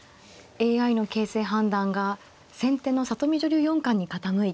ＡＩの形勢判断が先手の里見女流四冠に傾いています。